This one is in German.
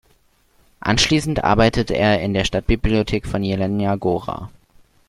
Anschließend arbeitet er in der Stadtbibliothek von Jelenia Góra.